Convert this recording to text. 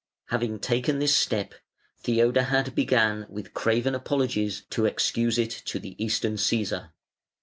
Having taken this step, Theodahad began with craven apologies to excuse it to the Eastern Cæsar.